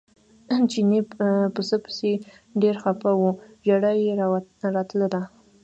چیني پسه پسې ډېر خپه و ژړا یې راتله.